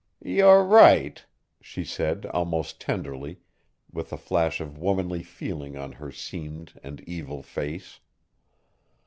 "You're right," she said almost tenderly, with a flash of womanly feeling on her seamed and evil face.